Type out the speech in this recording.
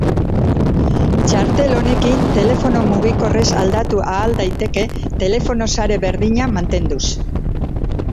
Txartel honekin telefono mugikorrez aldatu ahal daiteke telefono-sare berdina mantenduz.